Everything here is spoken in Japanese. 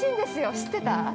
知ってた？